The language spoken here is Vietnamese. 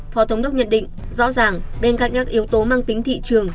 phó thống đốc nhận định rõ ràng bên cạnh các yếu tố mang tính thị trường